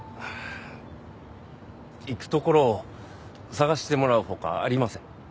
行く所を探してもらうほかありません。